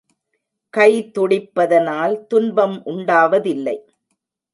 கை துடிப்பதனால் துன்பம் உண்டாவதில்லை.